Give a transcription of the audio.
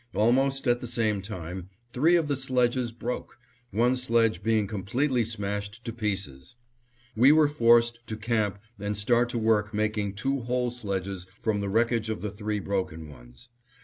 Almost at the same time, three of the sledges broke, one sledge being completely smashed to pieces. We were forced to camp and start to work making two whole sledges from the wreckage of the three broken ones.